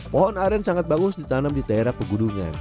pohon aren sangat bagus ditanam di daerah pegunungan